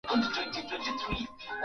Tumia sufuria inayotosha kuchemsha maji